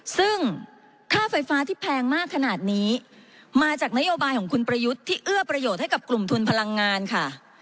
ซึ่งค่าไฟฟ้าที่แพงมากขนาดนี้มาจากนโยบายของคุณประยุทธ์ที่เอื้อประโยชน์ให้กับกลุ่มทุนพลังงานค่ะ